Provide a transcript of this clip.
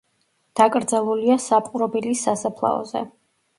დაკრძალულია საპყრობილის სასაფლაოზე.